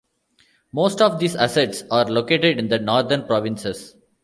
Most of those assets are located in the northern provinces.